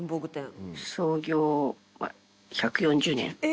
創業１４０年。